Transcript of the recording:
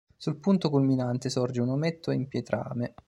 Sul punto culminante sorge un ometto in pietrame.